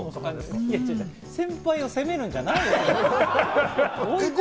先輩を攻めるんじゃないよ！